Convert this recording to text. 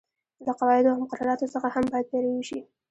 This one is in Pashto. له قواعدو او مقرراتو څخه هم باید پیروي وشي.